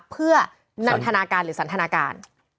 นันทนาการหรือสันทนาการ